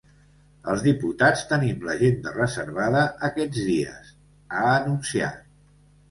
Els diputats tenim l’agenda reservada aquests dies, ha anunciat.